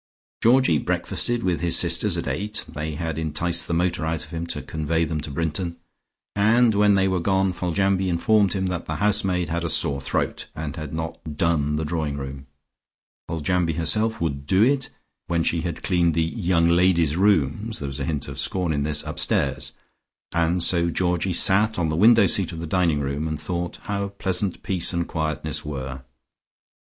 Georgie breakfasted with his sisters at eight (they had enticed the motor out of him to convey them to Brinton) and when they were gone, Foljambe informed him that the housemaid had a sore throat, and had not "done" the drawing room. Foljambe herself would "do" it, when she had cleaned the "young ladies'" rooms (there was a hint of scorn in this) upstairs, and so Georgie sat on the window seat of the dining room, and thought how pleasant peace and quietness were.